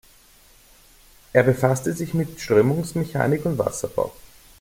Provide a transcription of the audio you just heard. Er befasste sich mit Strömungsmechanik und Wasserbau.